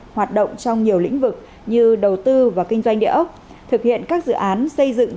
hoạt động trong nhiều lĩnh vực như đầu tư và kinh doanh địa ốc thực hiện các dự án xây dựng